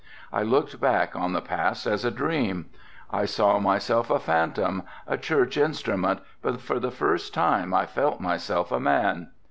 I looked back on the past as a dream. I saw myself a phantom, a church instrument, but for the first time I felt myself a man.